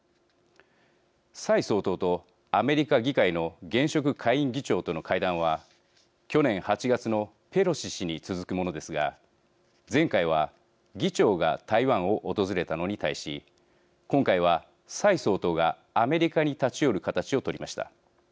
蔡総統とアメリカ議会の現職下院議長との会談は去年８月のペロシ氏に続くものですが前回は議長が台湾を訪れたのに対し今回は蔡総統がアメリカに立ち寄る形を取りました。